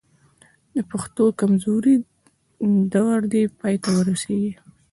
د پښتو د کمزورۍ دور دې پای ته ورسېږي.